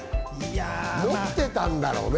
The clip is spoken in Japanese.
持ってたんだろうね。